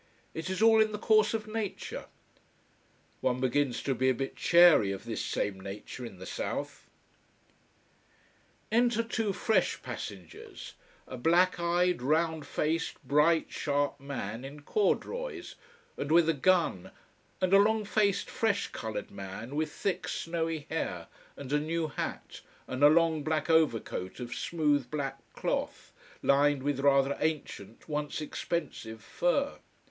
It is all in the course of nature. One begins to be a bit chary of this same "nature", in the south. Enter two fresh passengers: a black eyed, round faced, bright sharp man in corduroys and with a gun, and a long faced, fresh colored man with thick snowy hair, and a new hat and a long black overcoat of smooth black cloth, lined with rather ancient, once expensive fur.